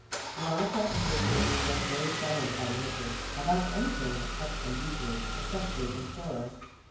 Veronica and Gertrude were both very silent by nature, about anything that touched them deeply, especially in sorrow.